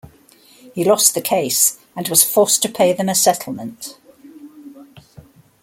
He lost the case and was forced to pay them a settlement.